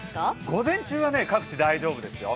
午前中は各地、大丈夫ですよ。